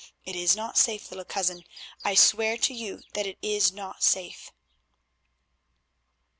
It is not safe, little cousin, I swear to you that it is not safe."